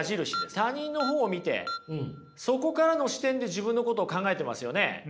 他人のほうを見てそこからの視点で自分のことを考えてますよね。